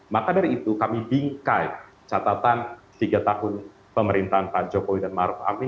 maka dari itu kami bingkai catatan tiga tahun pemerintahan pak jokowi dan maruf amin